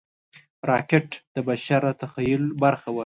راکټ د بشر د تخیل برخه وه